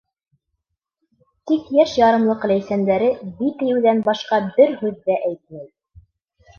Тик йәш ярымлыҡ Ләйсәндәре «би» тиеүҙән башҡа бер һүҙ ҙә әйтмәй.